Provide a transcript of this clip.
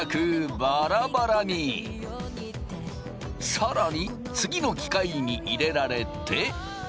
更に次の機械に入れられて。